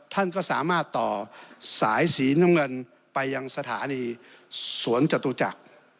ท่านก็สามารถต่อสายสีน้ำเงินไปยังสถานีสวนจตุจักร